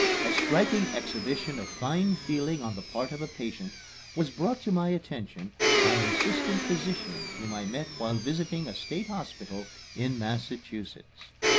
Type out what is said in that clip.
A striking exhibition of fine feeling on the part of a patient was brought to my attention by an assistant physician whom I met while visiting a State Hospital in Massachusetts.